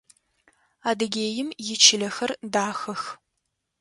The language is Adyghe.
Адыгеим ичылэхэр дахэх.